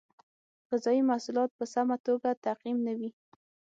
غذایي محصولات په سمه توګه تعقیم نه وي.